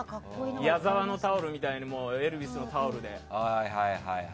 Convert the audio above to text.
矢沢のタオルみたいにエルヴィスのタオル。